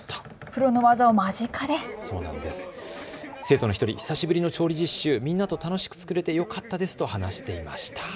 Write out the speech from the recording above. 生徒の１人、久しぶりの調理実習、みんなと楽しく作れてよかったですと話していました。